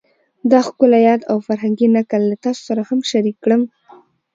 دا ښکلی یاد او فرهنګي نکل له تاسو سره هم شریک کړم